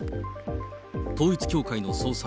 統一教会の総裁、